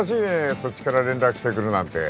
そっちから連絡してくるなんて